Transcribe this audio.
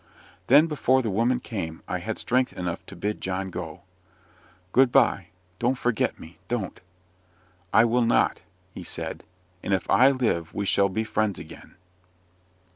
Then, before the woman came, I had strength enough to bid John go. "Good bye don't forget me, don't!" "I will not," he said; "and if I live we shall be friends again.